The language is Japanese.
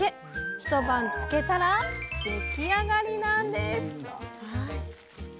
一晩漬けたら出来上がりなんです。